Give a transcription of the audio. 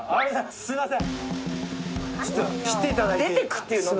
すみません！